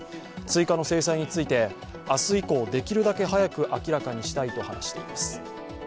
追加の制裁について明日以降、できるだけ早く明らかにしたいと話しています。